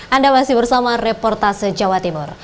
anda masih bersama reportase jawa timur